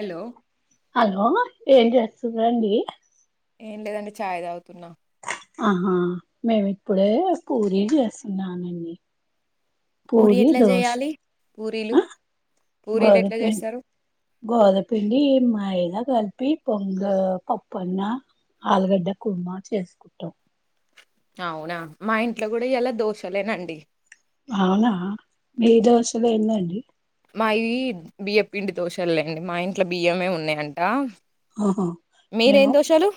అల్లో ఓ ఏం జెస్తుందండి ఏం లేదండి చాయ్ దాగుతున్నా ఆహా మేము ఇప్పుడే పూరి జేస్తున్నానండి పూరి ఎట్లా దోష్ చేయాలి పూరీలు ఆ పూరీలు గోద ఎట్లా పిండి చేస్తారు గోద పిండి మైదా గలిపి పొంగ్ పప్పన్న ఆలుగడ్డ కుర్మా చేసుకుంటాం అవునా మా ఇంట్లో గుడా ఇయాల దోషలేనండి అవునా మీ దోషలు ఎన్నండి మాయ్ వి బియ్య పిండి దోషల్లేండి మా ఇంట్లో బియ్యమే ఉన్నయంట ఆహా మేము మీరేమ్ దోషలు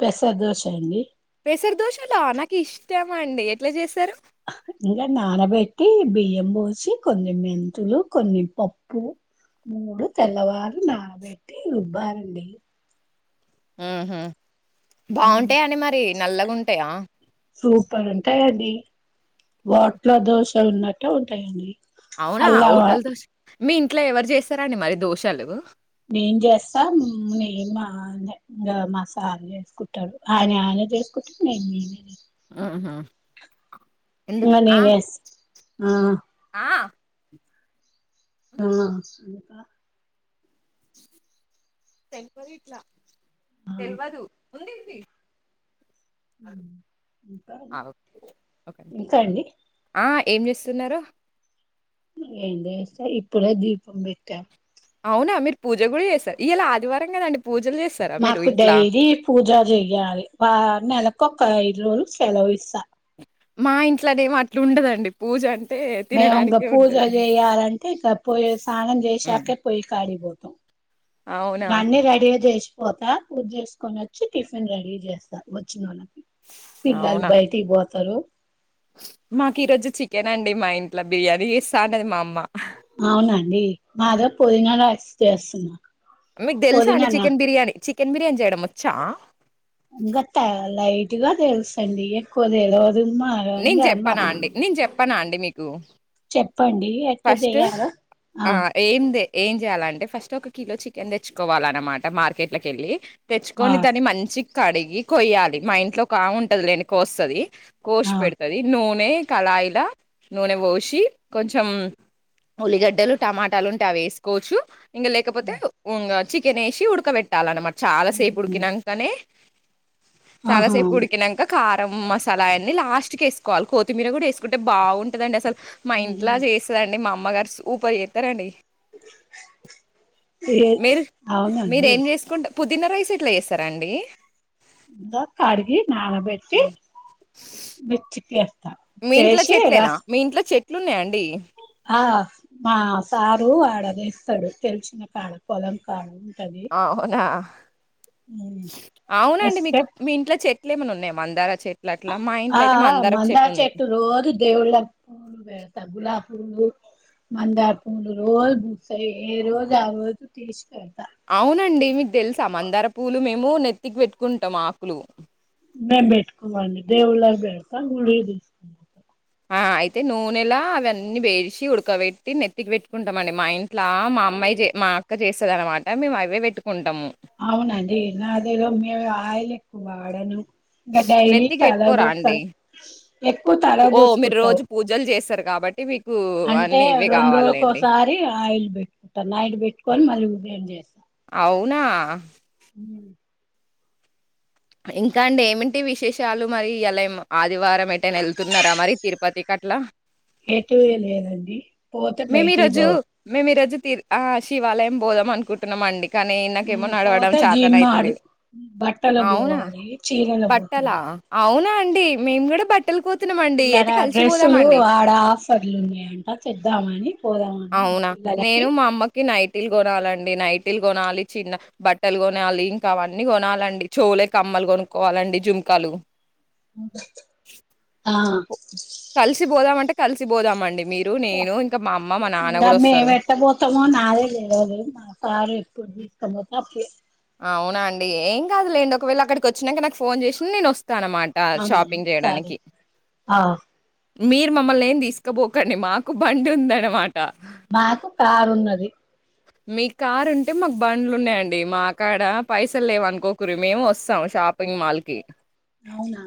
పెసర దోశ అండి పేసర్ దోషాల నాన్ కిఇష్టం అండి ఎట్లా చేస్తారు ఇంకా నానబెట్టి బియ్యం పోసి కొన్ని మెంతులు కొన్ని పప్పు మూడు తెల్లవారు నానబెట్టి రుబ్బారండి ఉహ బాగుంటాయా అని మరి నల్లగాంటాయా ప్పుడు ఉంటాయండి వాోట్ల దోశ ఉన్నట్టు ఉంటాయండి అవునా అల్లా హోటల్ దో మీ ఇంట్లో ఎవరు చేస్తారా అండి మరి దోషాలు నేం చేస్తా నేం మసాల చేసుకుంటాారు ఆయనె ఆయనె స్ కు నిమీ ఆహఎందుకు ఇంకా ఆ నేను వేస్తా ఆ ఆ ఆవు న తెంపరిర్ీట్లా ఆ తెల్వదు ఉంది ఉంది ఇంకా అవు ఇంకా అండి అయి ఏం చేస్తున్నారు ఏస్తా ఇప్పుడే దీపం పెట్టాం అవునా మీరు పూజ కూడా చేస్తారు ఇవాలా ఆదివారం కదండి మాకు డైరీ పూజా చెయ్యాలి వ నెలకు ఒక ఐదు రోజులు సెలవు ఇస్త మా ఇంట్లోనేమో అట్లు ఉండదండి పూజ అంట మేము ఇంకా పూజ చేయాలంటే ఇంకా పొయ్యి స్నానం హ్మ్. చేసాకే పొయ్యి కాడిపో అవునా! గన్ని రెడిదసి పోతా పూజ చేసుకొని వచ్చి టిఫిన్ రెడీ చేస్తా వచ్చిన వాళ్ళకి పిలలు అవునా! బయటికి పోతారు మాకు ఈ రోజు చికెన్ అండి మా ఇంటి అవునండి మాదే పుదీనా రెస్ చేస్తుంది మీకు తెలుసా అండి చికెన్ బిర్యానీ చికెన్ బిర్యానీ చేయడం వచ్చా ఇట్టుగా తెలుస అండి ఎక్కువ తెలివదు మా యంగ అన్న చెప్పనా అండి మీకు ఎట్లా ఫస్ట్ చేయాలో ఆ ఏందే ఏం చేయాలంటే ఫస్ట్ ఒక కిలో చికెన్ తెచ్చుకోవాలన్నమాట మార్కెట్ లాకెళ్ళి ఆ తెచ్చుకొని దాన్ని మంచిగ కడిగి కొయ్యాలి మా ఇంట్లో ఒక ఆమె ఉంటది లేండి కోస్తాది కోసి ఆ పెడతది నూనె కళాయిల నూనె పోసి కొంచెం ఉల్లిగడ్డలు టమాటాలు ఉంటే అవి వేసుకోవచ్చు ఇంక లేకపోతే ఇంగ చికెన్ వేసి ఉడకబెట్టాలన్న మరి చాలాసేపు ఉడికి నాకనే చాలా ఆహా సేపు ఉడికినాంక కార్ మసాలా అన్ని లాస్ట్ కి వేసుకోవాలి కొత్తిమీర కూడా వేసుకుంటే బాగుంటుందండి అసలు మా ఇంట్లో చే అండి మా అమ్మగారు సూపర్ చేస్తారండి ఏ మీరు అవునండి మీరేం చేసుకుంట పుదీనా రైస్ ఎట్లా చేస్తారా అండి ఇంద కడిగి నానబెట్టి మెచ్చకి మీ ఇంట్లో చెట్లేనా మీ ఇంట్లో చెట్లు ఉన్నాయ అండి ఆ మా సారు ఆడా తేస్తాడు తెలిసిన కాడా పొలం కాడ ఉంటది అవునా అవునండి తెస్తే మీకు మీ ఇంట్లో చెట్ ఇట్లే ఏమన్నా ఉన్నాయా మందారా చె ఆ ఆ మందార చెట్టు రోజు దేవుళ్ళకు పెడతాం గులాబ్ పూలు మందార పూలు రోజు బూస్తాయి ఏ రోజు ఆ రోజు తీస్తాం అవునండి మీకు తెలుసా మందార పూలు మేము నెత్తికి పెట్టుకుంటాం ఆకులు మేము పెట్టుకోము అండి దేవుళ్ళకి పెడతాము గుడి ఆ అయితే నూనెలా అవన్నీ వేసి ఉడకబెట్టి నెత్తికి పెట్టుకుంటాం అండి మా ఇంట్లా మా మా అమ్మాయి మా అక్క చేస్తది అన్నమాట మేము అవే పెట్టుకుంటాము అవునండి నా అదేగా మేము ఆయిల్ ఎక్కువ వాడను ఇంకా డైలీ నెత్తికి పెట్టుకోరా అండి తలకుబోస్తాను ఎక్కువ ఓ మీరు తలబోసుకుంటాను రోజు పూజలు చేస్తారు కాబట్టి మీకు అంటే అన్ని ఇవే రెండు కావాలండి రోజులకోసారి ఆయిల్ పెట్టుకుంటా నైట్ పెట్టుకొని మళ్ళీ ఉదయం చేస్తాను నా ఇంకా అండి ఏమిటి విశేషాలు మరి ఇయ్యలా ఆదివారం ఎటైనా వెళ్తున్నారా మరి తిరుపతి కట్ల లా ఎటు లేదండి పోతే మేము బయటికి ఈరోజు పో మేము ఈరోజు శివాలయం పోదాం అనుకుంటున్నాం అండి కానీ నాకేమో నడవడం పోతే చతన జీమ్మాడు అయితలేదు బట్టలు అవునా పోవాలి చీరలు బట్టలా పోతున్నా అవునా అండి మేము కూడా బట్ ఇయ్యాల డ్రెస్సులు ఆడ ఆఫర్లు ఉన్నాయంట చేద్దామని అవునా నేను మా అమ్మకి నైటిలు కొనాలండి నైటిలు కొనాలి చిన్న బట్టలు కొనాలి ఇంకా అవన్నీ కొనాలండి చెవుల కమ్మలు కొనుక్కోవాలండి జుంకాలు మ్మ్ హా కలిసి పోదాం అంటే కలిసి పోదామండి ఇంకా ఒస్తారు. మేం ఏట్టపొతామో నాకే తెలువది మా సారు ఎప్పుడు తీసుకుపోతే అప్పుడే అవునా అండి ఏం కాదులేండి ఒకవేళ అక్కడికి వచ్చినంకా నాకు ఫోన్ చేసిన నేను వస్తాను అనమాట అన్నాను షాపింగ్ సరే చేయడానికి ఆ మీరు మమ్మల్ని ఏం తీసుకపోకండి మాకు బండి ఉంది అనమాట మాకు కారు ఉన్నది మీకు కారు ఉంటే మాకు బండ్లు ఉన్నాయండి మా కాడ పైసలు లేవు అనుకోకండి మేము వస్తాం షాపింగ్ మాల్ కి అవునా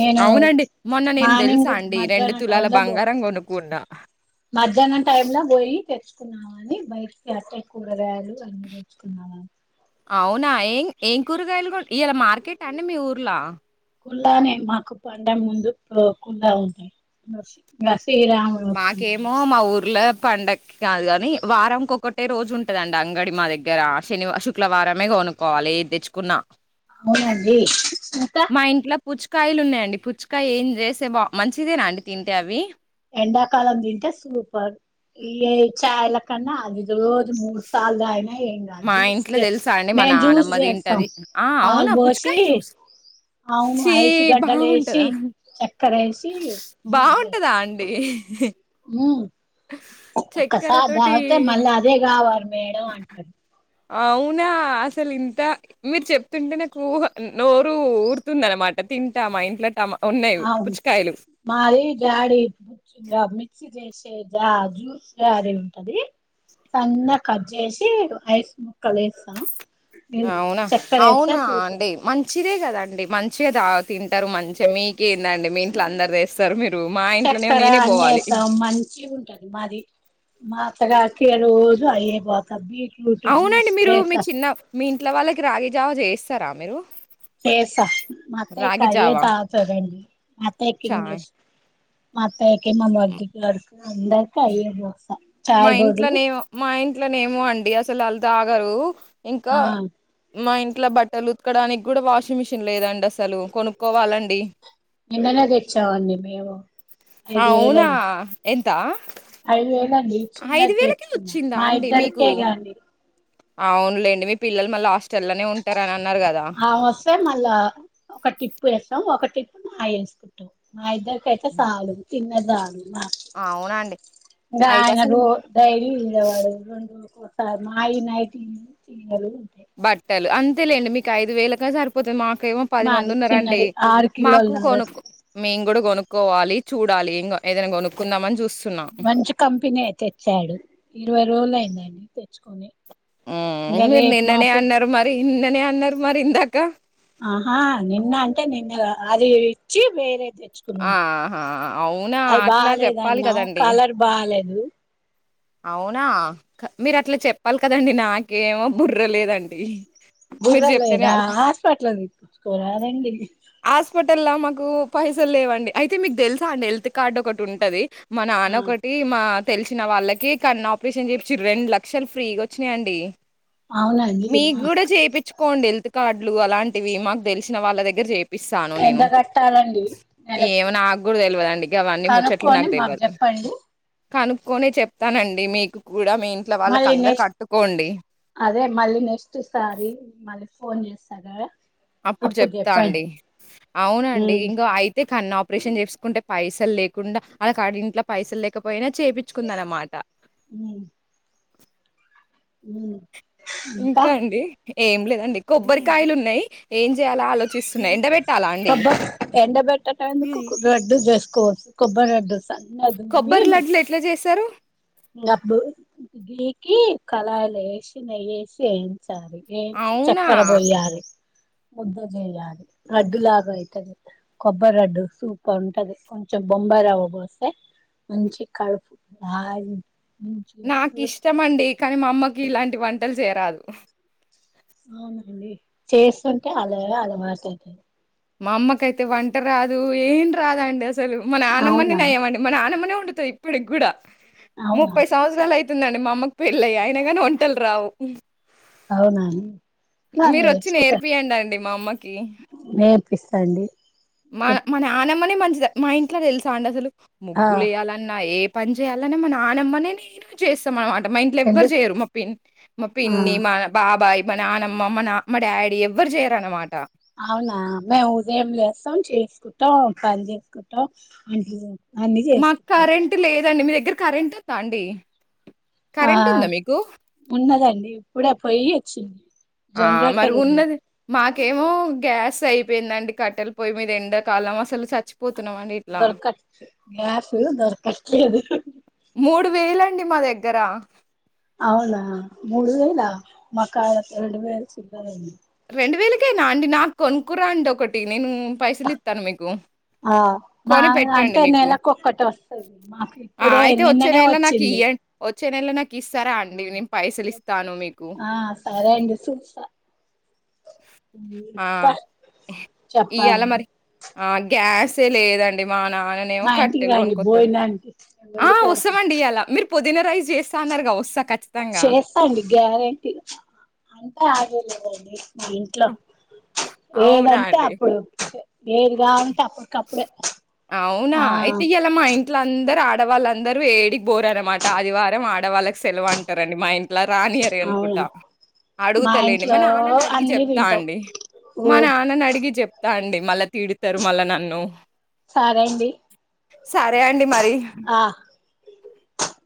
నేను అవునండి మొన్న నేను తెలుసా మార్నింగ్ అండి రెండు మధ్యాహ్నం తులాల టైమ్ లో పో బంగారం కొనుక్కున్నాను మధ్యాహ్నం టైం లో పోయి తెచ్చి నాను బయటికి అట్టే కూరగాయలు అన్ని తెచ్చుకున్నాము అవునా ఏం ఏం కూరగాయలు తెచ్చారు ఇయ్యల మార్కెటా అండి మీ ఊర్లో కుల్లానే మాకు పండగ ముందు కూడా ఉంటాయి శ్రీరాముడు మాకేమో మా ఊర్ల పండక్కి కాదు కాని వారంకొకటే రోజు ఉంటదండి అంగడి మా దగ్గర శుక్రవారమే మొన్న కాలేజ్ కి తెచ్చుకున్న అవునండి ఇంకా ఇంట్లో పుచ్చకాయలు ఉన్నాయండి పుచ్చకాయ తింటే మంచిదేనా అండి తింటే అవి ఎండాకాలం తింటే సూపర్ ఇగ ఇ చాయాల కన్నా అది రోజ మూడు సార్లు తాగిన మా ఏంకాదు ఇంట్లో తెలుసా అండి మా మేము జ్యూస్ నానమ్మ చేస్తాం తింటది ఆ పాలు అవునా పొసి పుచ్చకాయ జ్యూస్ అవును ఛీ ఐస్ గడ్డలు వేసి బాగుంటదా చక్కర వేసి చేస్త అ మ్ చక్కెర ఒక్కసారి తోటి తాగితే మళ్ళ అదే కావాలి మేడం అంటది అవునా అసలు ఇంత మీరు చెప్తుంటే నాకు నోరు ఊరుతుంది అన్నమాట తింటామా ఇంట్ల అవును మాది జాడి చేసే రాగి జావా లా అది ఉంటది సన్న గా కట్ చేసి ఐస్ ముక్కలు వేస్తాం ఇం- అవునా చక్కెర వేస్తే అవునా సూపర్ అండి మంచిదే కదాండి మంచిగా తింటారు మంచిగా మీకే ఏందండి మీ ఇంట్ల అందరు తెస్తారు మా ఇంట్లోనేమో చక్కెర నేనే పోవాలి అన్నెసము మంచిగా ఉంటది మాది మాఅత్త గారికి రోజు అయ్యే పోత్తది అవునండి మీరు మీ చిన్న మీ ఇంట్లో వాళ్ళకి రాగి జావా జేస్తారా మీరు చేస్తా మా అత్తయ్య రాగి జావా కయ్యేదాగుతదండి మా అత్తేకి చాయ్ ఇంగ్లీష్ మా అత్తయ్యకి మా మ్, మర్డి గార్కి అందరికి అయ్యే బోస్తా చాయ్ బదులు ఏమో అండి అసలు వాళ్ళు తాగరు ఇంకా ఆ మా ఇ ఇట్లా బట్టలు ఉతుకడానికి గూడా వాషింగ్ మిషిన్ లేదండి అసలు కొనుక్కోవాలండి. నిన్ననే దెచ్చావండి మేము ఐదు అవునా వేలండి ఎంత ఐదు వేలండి ఐదు చిన్నది వేలకే తేచ్చుకున్నా వచ్చిందా మా అండి ఇద్దరికే మీకు గదండి అవునులేండి మీ పిల్లలు మళ్ళ హాస్టల్లనే ఉంటార అన్ ఆమె వస్తే మళ్ళా ఒక టిప్పు యేస్తాం ఒక టిప్పు మాయి యేసుకుంటాం మా ఇద్దరి కైతే సాలు చిన్నది సాలు అవునండి ఇగ అయితే ఆయన అసలు రోజు డ్రైవింగ్ మీద బడి రెండు రో ఒకసారి మాయి నైటీయి ఇడిచి బట్టలు అంతేలేండి మీకు ఐదు వేలగా సరిపోతాంది మాకు కేమో పది మంది మాది ఉన్నారండి. చిన్నది ఆరు కిలోల మాకు కొను నగదు మేము గూడా గొనుక్కోవాలి. చూడాలి ఇంగా ఏదన్నా గొనుక్కుందామని చూస్త మంచి కంపెనీ తెచ్చాడు ఇరవై రోజులు అయిందండి తెచ్చుకొని ఇంకా ఉమ్ మీరు రేపు నిన్ననే మాపు అన్నారు మరి నిన్ననే అన్నారు మరి ఇందాక ఆహా నిన్న అంటే నిన్న గాదు అది ఇచ్చి వేరేది తెచ్చుకున్నాం ఆహా అవునా అది అట్లా చెప్పాలి బాలేదన్న కదండి కలర్ బాలేదు. అవునా మీరు అట్లా చెప్పాలి కదండి నాకేమో బుర్ర లేదండి. మీరు చెప్తేనే బుర్రలేదా అ హాస్పెట్లో చూపిచ్చుకో రాదండి. తెల్లా మాకు పైసలు లేవండి అయితే మీకు దెలుసా అండి హెల్త్ కార్డ్ ఒకటి ఉంటది. మా ఆ నాన్నొకటి మా తెలిసిన వాళ్ళకి కన్ను ఆపరేషన్ చెపిచ్చిరు రెండు లక్షలు ఫ్రీగా వచ్చినయండి. అవునండి మీకు మా గూడా చేపిచ్చుకోండి హెల్త్ కార్డులు అలాంటివి మాకు దెలిసిన వాళ్ళ దగ్గర చే ఎంత గట్టాలండి ఏమో నాకు గూడా దెలువదండి గావన్నీ ముచ్చట్లు కనుక్కొని నాకు మాకు దెలువదు. చెప్పండి కనుక్కొని చెప్తానండి మీకు కూడా మీ ఇంట్లో మళ్ళీ వాళ్ళకందరికి నెస్ట్ అట్టుకోండి. అదే మళ్ళీ నెస్ట్ సారి మళ్ళీ ఫోన్ జేస్తగదా అప్పుడు జెప్తా అండి అవునండి ఉమ్ ఇంకా అయితే కన్నా ఆప్ ఆపరేషన్ చేసుకుంటే పైసలు లేకుండా ఆల్లకాడ ఇంట్లో పైసలు లేకపోయినా చేపిచ్చుకున్నరు అన్నమాట ఉమ్ ఇంకా అండి ఏం లేదండి కొబ్బరికాయలు ఉన్నాయి ఏం జేయాలో ఆలోచిస్తు కొబ్బ ఎండ బెట్టటం ఎందుకు రెడ్డు జేసుకో కొబ్బ రెడ్డు సన్నదున్వి కొబ్బరి మె లడ్లు ఎట్లా చేస్తారు ఇగ అప్పుడు గీకి కళాయిలు యేసి నెయ్యేసి యేయండి. యెంచాలి యెంచి అవునా చక్కెర బోయాలి. ముద్ద జేయాలి రడ్డు లాగా అయితది కొబ్బరి రడ్డు సూపర్ ఉంటది కొంచెం బొంబాయి రవ్వ బోస్తే మంచి కడుపు హాయిగా మంచిగా నాకు స్వీట్ ఇష్టమండి కానీ మా అమ్మకి ఇలాంటి వంటలు చేయరాదు. అవునా అండి చేస్తుంటే అదే అలవాటైతది. మా అమ్మకైతే వంట రాదు ఏం రాదండి అసలు మా నానమ్మనే అవునా నయ్యమండి మన నానమ్మనే వండుతది ఇప్పటికి గూడా అవునా ముప్పై సంవత్సరాలు అయి అవుతుందండి మా అమ్మకు పెళ్ళై అయిన గానీ వంటలు రావు. అవునా అండి ఆ మీరు వచ్చి నేర్చుకుంటారు నేర్పియండి అండి మా అమ్మకి నేర్ పిస్తా అండి మా మానానమ్మనే మంచిది మా ఇంట్లో తెలుసా అండి అసలు ఆ ముగ్గులు యేయాలన్న ఏ పని చేయాలని మా నానమ్మ నే చేస్తాం అనమాట మా ఇంట్లో ఎవ్వరు ఎందుకు చేయరు మా పిన్ని మా ఆ పిన్ని మా బాబాయ్ మా నానమ్మ మా నా మా డాడీ ఎవ్వరు చేయరన్నమాట అవునా మేము ఉదయం లేస్తాం చేసుకుంటాం పని చేసుకుంటాం అం మాకు కరెంట్ లేదండి మీ దగ్గర కరెంట్ ఉందా అండి ఆ కరెంట్ ఉందా మీకు ఉన్నదండి ఇప్పుడే పోయి వచ్చింది ఆ మరి ఉన్నది మాకి కేమో గ్యాస్ అయిపోయిందండి కట్టెలు పోయి మీద ఎండకాలం అసలు చచ్చిపో పోతున్నాం అండి ఇట్లా దొరకట్ గ్యాస్ దొరకట్లేదు మూడు వేలు అండి మా దగ్గర అవునా మూడు వేల మా కాడా రెండు వేలు [inaudible] రెండు వేలకేనా అండి నాకు కొనుకురా అండి ఒకటి నేను పైసలు ఇత్తాను మీకు ఆ మా కొని పెట్టండి అంటే మీకు. నెలకు ఒక్కటి వస్తది మాకు ఆ! ఇప్పుడే అయితే వచ్చే నిన్ననే నెల నాకు వచ్చింది ఇయ్యం వచ్చే నెల నాకు ఇస్తారా అండి? నేను పైసలిస్తాను మీకు. ఆ సరే అండి చూస్తా ఆ ఇంకా ఇయళ చెప్పాలండి మరి ఆ గ్యాసే లేదండి అవునా ఆయన ఏమో మా ఇంటికి కట్టెలు రండి కొనుకొత్తాడు భోజనానికి నేను ఆ వండి పెడతా వస్తాదండి ఆలా మీరు పుదీన రైస్ చేస్త అన్నారుగా వస్తా ఖచ్చితంగా. చేస్తాండి గ్యారంటీ అంతా ఆగేలేదండి మా ఇంట్లో అవునా ఏదంటే అండి? అప్పుడు ఏదిగా కావాలా అవునా ఇయితే ఇయలా మా ఇంట్లో అందరు ఆ ఆడవాళ్ళందరూ ఏడికి పోరనమాట ఆది వారం ఆడవాళ్ళకి సెలవు అంటారండి మా ఇం ఇట్లా రానియరు అవును అనుకుంటా అడుగుత లేండి మా నాన్నని అడిగి అన్ని చెప్తా తింటాం అండి ఓ మా నాన్నని అడిగి చెప్తా అండి మళ్ళా తిడతారు మళ్ళా నో సరే అండి సారే అండి మారి ఆ